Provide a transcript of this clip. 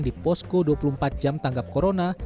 di posko dua puluh empat jam tanggap corona